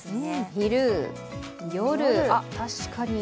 昼、夜、確かに。